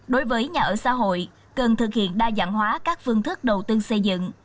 đối với nhà ở xã hội cần thực hiện đa dạng hóa các phương thức đầu tư xây dựng